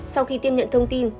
sau khi tiêm nhận thông tin